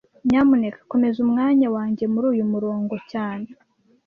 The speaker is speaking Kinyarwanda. Nyamuneka komeza umwanya wanjye muri uyu murongo cyane